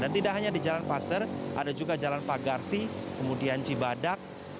dan tidak hanya di jalan paster ada juga jalan pagarsi kemudian cibadak